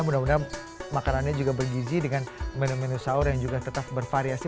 mudah mudahan makanannya juga bergizi dengan menu menu sahur yang juga tetap bervariasi